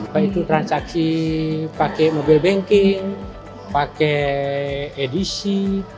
baik itu transaksi pakai mobile banking pakai edisi